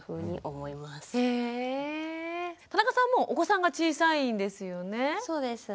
田中さんもお子さんが小さいんですよね。